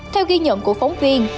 theo ghi nhận của phóng viên